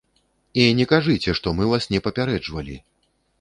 І не кажыце, што мы вас не папярэджвалі.